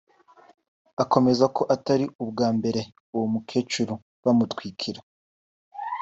akemeza ko atari ubwa mbere uwo mukecuru bamutwikira